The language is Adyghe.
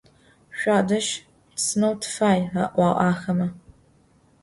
Şüadej tisıneu tıfay, – a'uağ axeme.